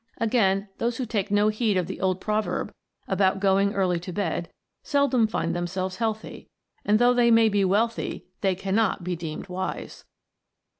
Again, those who take no heed of the old proverb about going early to bed, seldom find themselves healthy ; and though they may be wealthy, they cannot be deemed wise